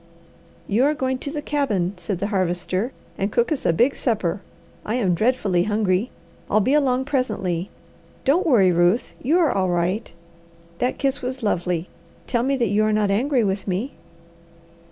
"You are going to the cabin," said the Harvester, "and cook us a big supper. I am dreadfully hungry. I'll be along presently. Don't worry, Ruth, you are all right! That kiss was lovely. Tell me that you are not angry with me."